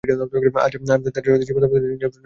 আজ তাদের জীবন্ত প্রতিনিধি নিউজিল্যান্ডের একটিমাত্র গণ।